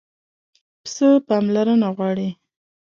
پسه پاملرنه غواړي.